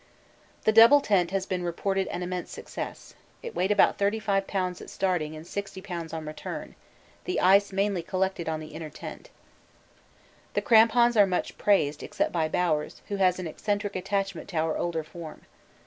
The double tent has been reported an immense success. It weighed about 35 lbs. at starting and 60 lbs. on return: the ice mainly collected on the inner tent. The crampons are much praised, except by Bowers, who has an eccentric attachment to our older form.